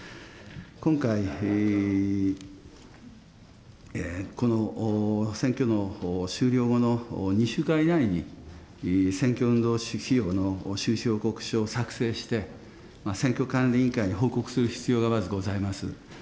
今回、この選挙の終了後の２週間以内に、選挙運動費用の収支報告書を作成して、選挙管理委員会に報告する必要がまずございます。